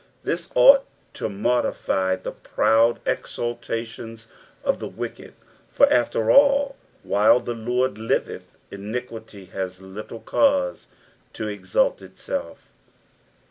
This ought to modify the proud exultations of the Wicked, for after all, while the Lord liveth, iniquity has little cause to exalt itself.